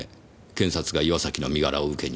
検察が岩崎の身柄を受けに来るのは。